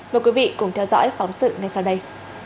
mời quý vị cùng theo dõi phóng sự ngay sau đây